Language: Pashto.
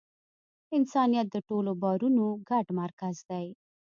انسانیت د ټولو باورونو ګډ مرکز دی.